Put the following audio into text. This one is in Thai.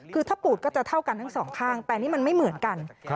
คือถ้าปูดก็จะเท่ากันทั้งสองข้างแต่นี่มันไม่เหมือนกัน